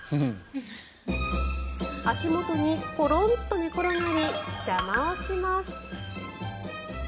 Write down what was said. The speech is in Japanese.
足元にコロンと寝転がり邪魔をします。